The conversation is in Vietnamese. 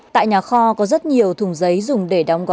tại nhà kho có rất nhiều thùng giấy dùng để đóng gói